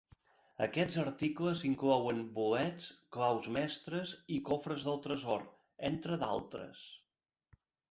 Aquests articles inclouen bolets, claus mestres i cofres del tresor, entre d'altres.